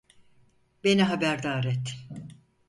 Beni haberdar et.